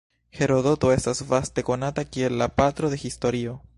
Herodoto estas vaste konata kiel la "patro de historio".